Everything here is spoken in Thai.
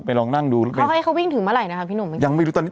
ลองนั่งดูแล้วกันว่าให้เขาวิ่งถึงเมื่อไหร่นะคะพี่หนุ่มยังไม่รู้ตอนนี้